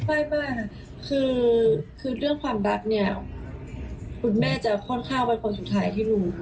ใช่ป่ะคือคือเรื่องความรักเนี่ยคุณแม่จะค่อนข้างเป็นคนสุดท้ายที่ลุง